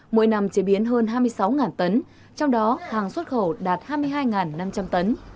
mỗi năm chế biến hơn hai mươi sáu tấn trong đó hàng xuất khẩu đạt hai mươi hai năm trăm linh tấn